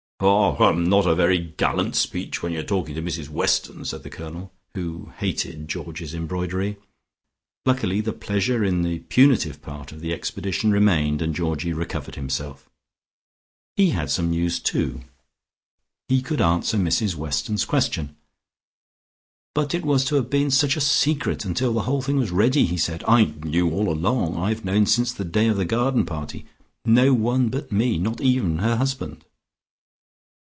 "Haw, hum, not a very gallant speech, when you're talking to Mrs Weston," said the Colonel, who hated Georgie's embroidery. Luckily the pleasure in the punitive part of the expedition remained and Georgie recovered himself. He had some news too; he could answer Mrs Weston's question. "But it was to have been such a secret until the whole thing was ready," he said. "I knew all along; I have known since the day of the garden party. No one but me, not even her husband."